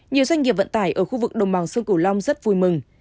nhiều doanh nghiệp vận tải ở khu vực đồng bằng sông cửu long rất vui mừng